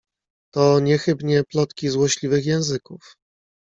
"To niechybnie plotki złośliwych języków."